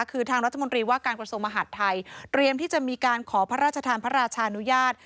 คือทางรัฐมนตรีว่าการกระทรวงมหาดไทยเตรียมที่จะมีการขอพระราชทานพระราชานุญาต